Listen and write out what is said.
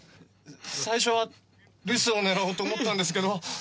最初は留守を狙おうと思ったんですけど。